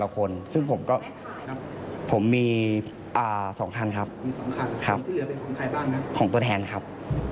ของตัวแทนครับ